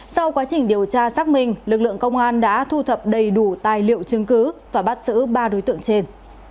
sau quá trình điều tra xác minh lực lượng công an đã thu thập đầy đủ tài liệu chứng cứ và bắt xử ba đối tượng trên